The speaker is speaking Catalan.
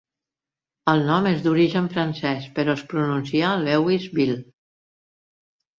El nom és d'origen francès, però es pronuncia "Lewis-ville".